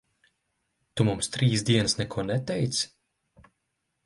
Tu mums trīs dienas neko neteici?